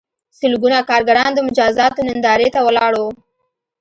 سلګونه کارګران د مجازاتو نندارې ته ولاړ وو